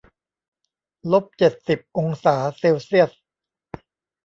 ลบเจ็ดสิบองศาเซลเซียส